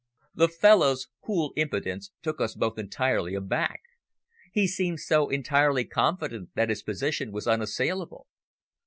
The fellow's cool impudence took us both entirely aback. He seemed so entirely confident that his position was unassailable.